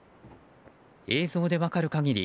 映像で分かる限り